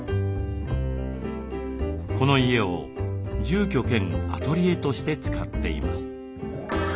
この家を住居兼アトリエとして使っています。